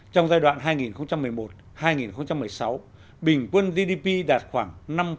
trong giai đoạn hai nghìn một mươi một hai nghìn một mươi sáu bình quân gdp đạt khoảng năm mươi